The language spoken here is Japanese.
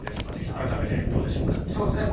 改めてどうでしょうか。